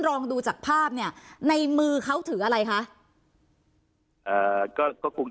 ลองดูจากภาพเนี่ยในมือเขาถืออะไรคะ